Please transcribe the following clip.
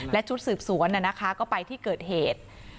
และชุดสืบสวนก็ไปที่เกิดเหตุ